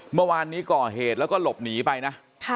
เมื่อวานนี้ก่อเหตุแล้วก็หลบหนีไปนะ